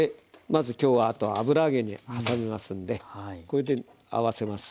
まず今日はあと油揚げにはさみますんでこれで合わせます。